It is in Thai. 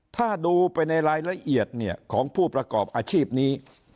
ถ้าดูไปในรายละเอียดของผู้ประกอบอาชีพนี้